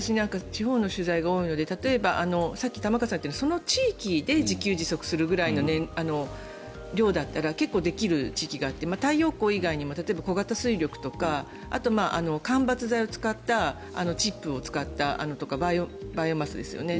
地方の取材が多いので例えば、さっき玉川さんが言ったようにその地域で自給自足するぐらいの量だったら結構できる地域があって太陽光以外にも例えば小型水力だとかあと、間伐材を使ったチップを使ったのとかバイオマスですよね